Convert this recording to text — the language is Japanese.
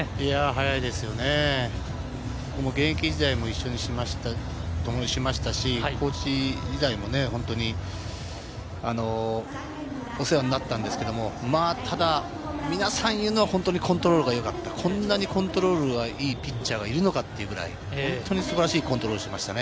早いですよね、現役時代も一緒にともにしましたし、コーチ時代も本当にお世話になったんですけれど、皆さん、言うのは本当にコントロールが良かった、こんなにコントロールがいいピッチャーがいるのかというぐらい、本当に素晴らしいコントロールをしていました。